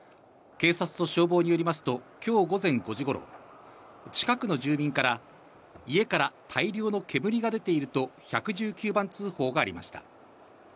警察と消防によりますと今日午前５時頃、近くの住民から家から大量の煙が出ていると１１９番通報がありました。